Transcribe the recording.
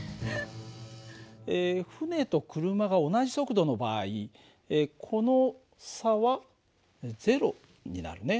船と車が同じ速度の場合この差は０になるね。